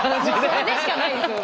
それでしかないですよもう。